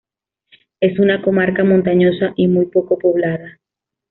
Es una comarca montañosa y muy poco poblada.